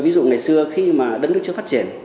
ví dụ ngày xưa khi mà đất nước chưa phát triển